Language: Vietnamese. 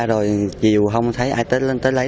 rồi dù không thấy ai tới lấy